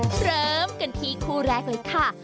พร้อมกันที่คู่แรกเลยค่ะ